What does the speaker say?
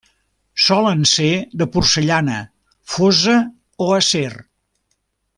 Solen ser de porcellana, fosa o acer.